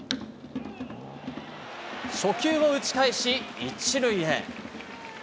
初球を打ち返し１塁へ。